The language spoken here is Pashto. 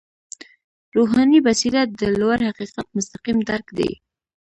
روحاني بصیرت د لوړ حقیقت مستقیم درک دی.